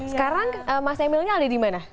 sekarang mas emilnya ada di mana